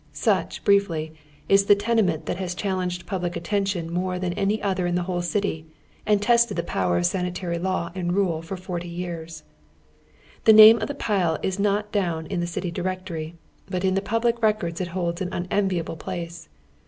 Such, briefly, is the tenement that baa challenged public attention more than any other in the whole city and tested the power of sani tary law and rule for forty years. The name of tiie pile is not down in the City Directory, but in the public records it holds an unenviable place.